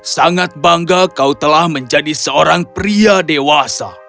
sangat bangga kau telah menjadi seorang pria dewasa